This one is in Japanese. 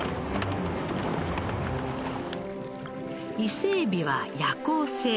伊勢えびは夜行性。